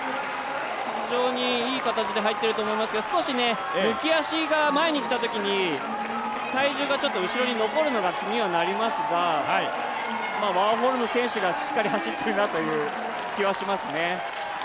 非常にいい形で入っていると思いますけど少し抜き足が前に来たときに体重が後ろに残るのが気にはなりますがワーホルム選手がしっかり走っているなという気はしますね。